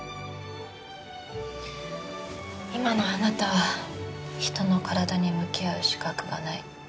今のあなたは人の体に向き合う資格がない。